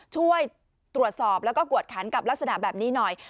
ช่วยตรวจสอบแล้วก็กวดขันกับลักษณะแบบนี้หน่อย